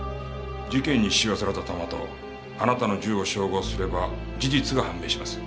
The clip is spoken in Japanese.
事件に使用された弾とあなたの銃を照合すれば事実が判明します。